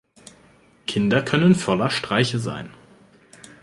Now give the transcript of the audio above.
Kinder können voller Streiche sein.